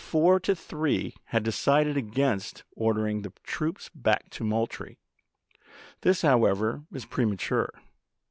v. four to three had decided against ordering the troops back to Moultrie. This, however, was premature.